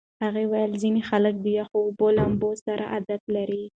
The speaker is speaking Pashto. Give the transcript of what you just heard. هغې وویل ځینې خلک د یخو اوبو لامبو سره عادت لري.